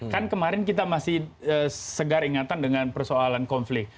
kan kemarin kita masih segar ingatan dengan persoalan konflik